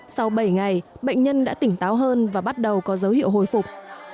sau bảy ngày bệnh nhân đã tỉnh táo hơn và bắt đầu có dấu hiệu hồi phục